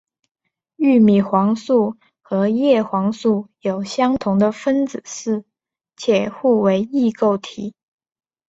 玉米黄素和叶黄素有相同的分子式且互为异构体。